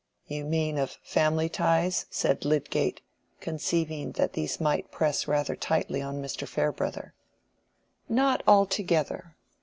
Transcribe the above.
"You mean of family ties?" said Lydgate, conceiving that these might press rather tightly on Mr. Farebrother. "Not altogether.